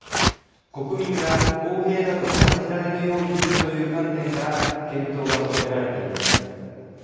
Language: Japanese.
国民が公平だと感じられるようにするという観点から検討が求められています。